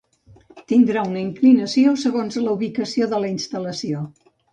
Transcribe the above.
tindrà una inclinació segons la ubicació de la instal·lació